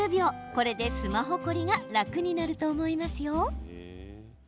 これでスマホ凝りが楽になると思いますよ。